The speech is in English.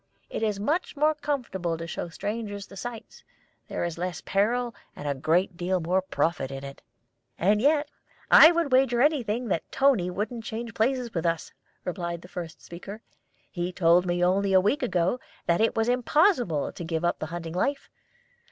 It is much more comfortable to show strangers the sights; there is less peril and a great deal more profit in it." "And yet I would wager anything that Toni wouldn't change places with us," replied the first speaker. "He told me only a week ago that it was impossible to give up the hunting life.